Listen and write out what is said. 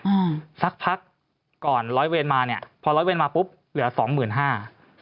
อ่าสักพักก่อนร้อยเวรมาเนี้ยพอร้อยเวรมาปุ๊บเหลือสองหมื่นห้า